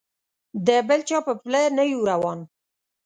د بل چا په پله نه یو روان.